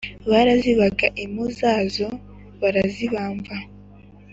barazibaga impu zazo barazibamba,